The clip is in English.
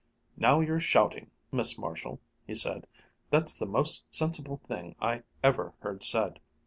"Now you're shouting, Miss Marshall!" he said. "That's the most sensible thing I ever heard said.